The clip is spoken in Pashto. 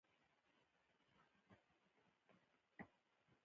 د مثال په توګه د انسان په مختلفو برخو کې عکس اخیستل کېږي.